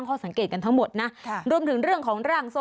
พ่อแบมนี่แหละ